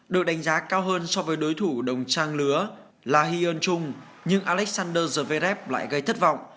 được đánh giá cao hơn so với đối thủ đồng trang lứa la huyen trung nhưng alexander zverev lại gây thất vọng